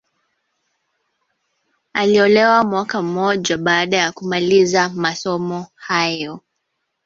Aliolewa mwaka mmoja baada ya kumaliza masomo hayo